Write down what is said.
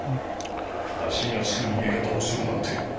足が付く逃げ方をするなんて。